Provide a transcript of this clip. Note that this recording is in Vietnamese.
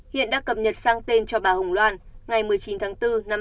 hiện đã cập nhật sang tên cho bà hồng loan ngày một mươi chín tháng bốn năm hai nghìn hai mươi